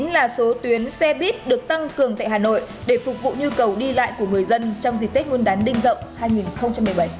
hai mươi chín là số tuyến xe bus được tăng cường tại hà nội để phục vụ nhu cầu đi lại của người dân trong dịch tết nguồn đán đinh rộng hai nghìn một mươi bảy